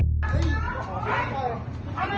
เกินที่๑๙๙